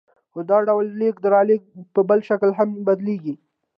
خو دا ډول لېږد رالېږد په بل شکل هم بدلېږي